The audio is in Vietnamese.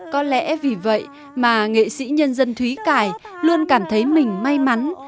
có lẽ vì vậy mà nghệ sĩ nhân dân thúy cải luôn cảm thấy mình may mắn